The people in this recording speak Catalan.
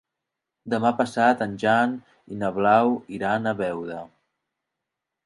Demà passat en Jan i na Blau iran a Beuda.